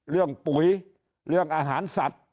ปุ๋ยเรื่องอาหารสัตว์